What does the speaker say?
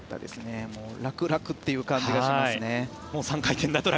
楽々という感じがしますね。